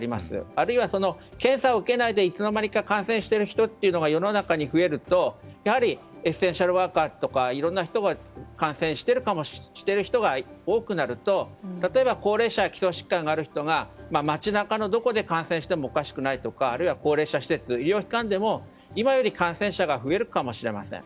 あるいは、検査を受けないでいつの間にか感染している人が世の中に増えると、やはりエッセンシャルワーカーとかいろんな人が感染している人が多くなると例えば、高齢者や基礎疾患がある人が街中のどこで感染してもおかしくないとかあるいは高齢者施設医療機関でも今より感染者が増えるかもしれません。